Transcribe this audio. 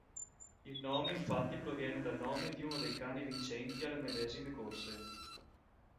Il nome infatti proviene dal nome di uno dei cani vincenti alle medesime corse.